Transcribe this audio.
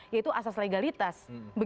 yaitu asas legalitas